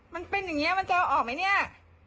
มันเป็นอย่างนี้มันจะเอาออกไหมเนี่ย